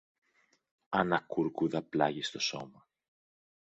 ανακούρκουδα πλάγι στο σώμα.